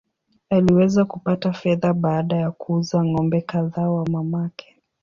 Aliweza kupata fedha baada ya kuuza ng’ombe kadhaa wa mamake.